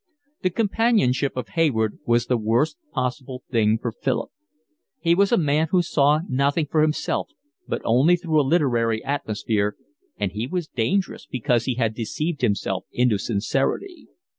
The companionship of Hayward was the worst possible thing for Philip. He was a man who saw nothing for himself, but only through a literary atmosphere, and he was dangerous because he had deceived himself into sincerity.